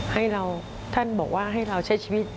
ให้เราท่านบอกว่าให้เราใช้ชีวิต